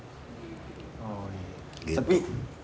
tapi si enzo kan ntar lagi